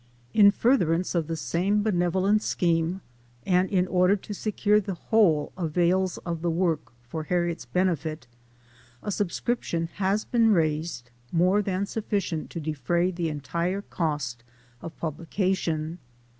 In furtherance of the same benevolent scheme, and in or der to secure the whole avails of the work for Harriet's benefit, a subscription has been raised more than sufficient to defray the entire cost of publication.